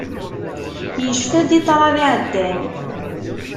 Yecfa-d i ṭṭrad iɛeddan.